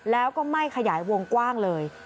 แล้วก็ไม่ขยายวงกว้างเลย